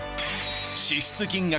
支出金額